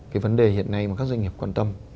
cái vấn đề hiện nay mà các doanh nghiệp quan tâm